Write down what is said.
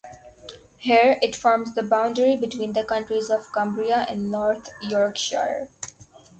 Here it forms the boundary between the counties of Cumbria and North Yorkshire.